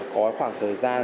có khoảng thời gian